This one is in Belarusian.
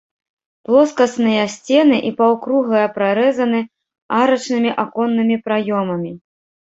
Плоскасныя сцены і паўкруглая прарэзаны арачнымі аконнымі праёмамі.